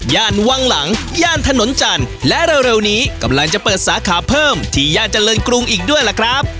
วังหลังย่านถนนจันทร์และเร็วนี้กำลังจะเปิดสาขาเพิ่มที่ย่านเจริญกรุงอีกด้วยล่ะครับ